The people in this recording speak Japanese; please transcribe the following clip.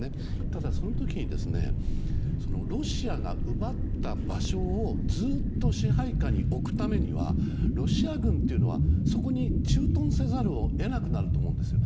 ただ、その時にロシアが奪った場所をずっと支配下に置くためにはロシア軍というのはそこに駐屯せざるを得なくなるんですよ。